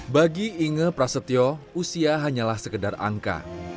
bagi inge prasetyo usia hanyalah sekedar angka